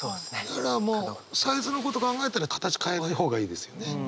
だからもうサイズのことを考えたら形変えない方がいいですよね。